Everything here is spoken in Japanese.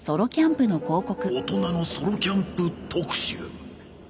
「大人のソロキャンプ特集」